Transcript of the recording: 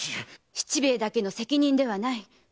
七兵衛だけの責任ではない。